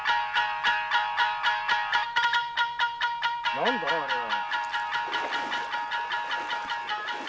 何だあれは？